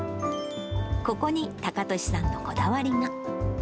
ここに隆敏さんのこだわりが。